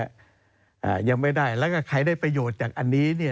อ่ายังไม่ได้แล้วก็ใครได้ประโยชน์จากอันนี้เนี่ย